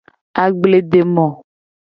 Agbledemo.